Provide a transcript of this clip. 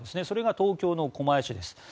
それが東京の狛江市です。